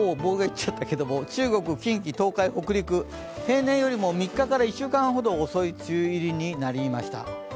中国、近畿、東海、北陸、平年よりも３日から１週間ほど遅い梅雨入りになりました。